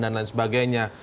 dan lain sebagainya